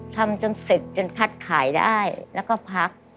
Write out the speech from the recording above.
ทำจนเสร็จจนคัดขายได้แล้วก็พัก